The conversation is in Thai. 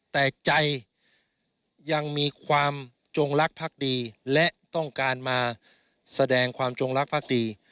แต่ใจยังมีความจงรักภักดีและต้องการมาแสดงความจงรักภักดี